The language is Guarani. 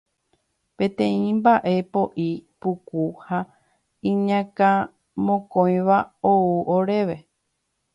Peteĩ mba'e po'i, puku ha iñakãmokõiva ou oréve.